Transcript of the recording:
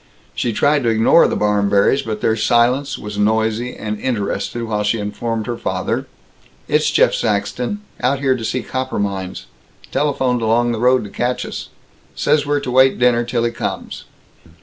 She tried to ignore the Barmberrys, but their silence was noisy and interested while she informed her father, "It's Jeff Saxton! Out here to see copper mines. Telephoned along road to catch us. Says we're to wait dinner till he comes."